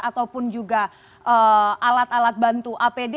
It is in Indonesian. ataupun juga alat alat bantu apd